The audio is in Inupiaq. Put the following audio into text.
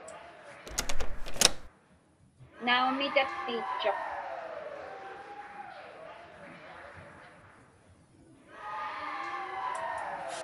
Naumi, tatqiitchuq.